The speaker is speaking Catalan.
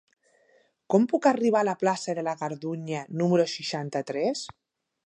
Com puc arribar a la plaça de la Gardunya número seixanta-tres?